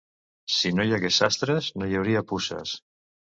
Si no hi hagués sastres, no hi hauria puces.